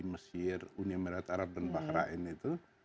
mesir uni emirat arab dan bahrain itu